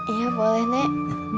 iya boleh nek